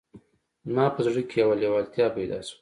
زما په زړه کې یوه لېوالتیا پیدا شوه